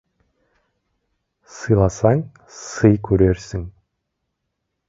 Сыйласаң, сый көрерсің.